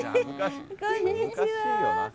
こんにちは。